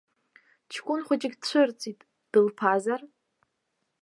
Ҷкәын хәыҷык дцәырҵит, дылԥазар?